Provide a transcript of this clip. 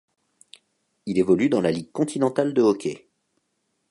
Il évolue dans la Ligue continentale de hockey.